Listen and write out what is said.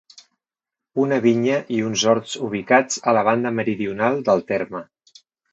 Una vinya i uns horts ubicats a la banda meridional del terme.